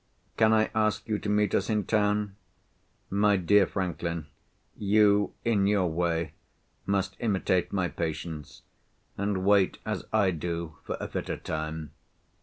Can I ask you to meet us in town? My dear Franklin, you, in your way, must imitate my patience, and wait, as I do, for a fitter time.